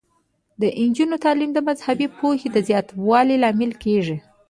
د نجونو تعلیم د مذهبي پوهې د زیاتوالي لامل کیږي.